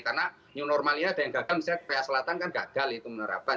karena new normal ini ada yang gagal misalnya pah selatan kan gagal itu menerapkan